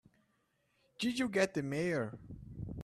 Did you get the Mayor?